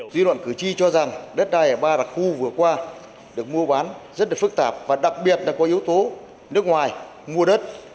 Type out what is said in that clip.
dư luận cử tri cho rằng đất đai ở ba đặc khu vừa qua được mua bán rất là phức tạp và đặc biệt là có yếu tố nước ngoài mua đất